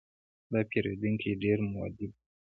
دا پیرودونکی ډېر مؤدب دی.